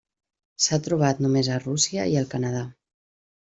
S'ha trobat només a Rússia i al Canadà.